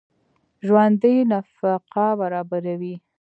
ژوندي نفقه برابروي